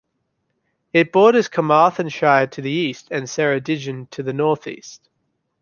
It borders Carmarthenshire to the east and Ceredigion to the north east.